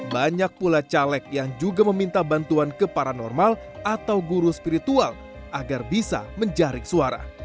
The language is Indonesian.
banyak pula caleg yang juga meminta bantuan ke paranormal atau guru spiritual agar bisa menjaring suara